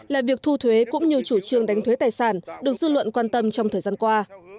là việc thu thuế cũng như chủ trương đánh thuế tài sản được dư luận quan tâm trong thời gian qua